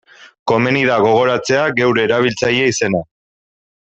Komeni da gogoratzea geure erabiltzaile izena.